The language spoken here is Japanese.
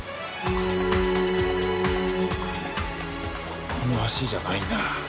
ここの橋じゃないな。